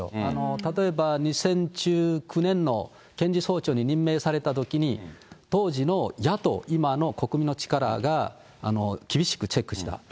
例えば２０１９年の検事総長に任命されたときに、当時の野党、今の国民の力が、厳しくチェックした。